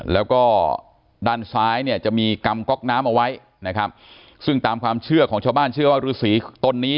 แล้วก็ด้านซ้ายเนี่ยจะมีกำก๊อกน้ำเอาไว้นะครับซึ่งตามความเชื่อของชาวบ้านเชื่อว่าฤษีตนนี้